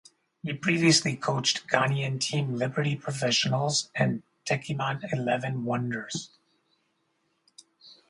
He previously coached Ghanaian team Liberty Professionals and Techiman Eleven Wonders.